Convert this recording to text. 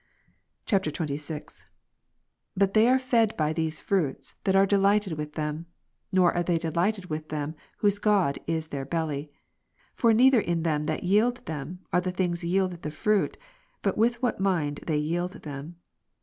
[XXVI.] 39. But they are fed by these fruits, that are delighted with them; nor are they delighted with them, Phil. 3, whose god is their belly. For neither in them that ^^ yield them, are the things yielded the fruit, but with what Rom. mind they yield them.